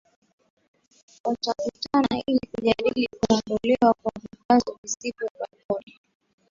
Watakutana ili kujadili kuondolewa kwa vikwazo visivyo vya kodi